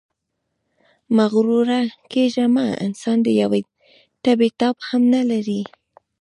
مغروره کېږئ مه، انسان د یوې تبې تاب هم نلري.